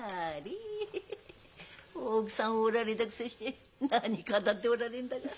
奥さんおられだくせして何語っておられんだか。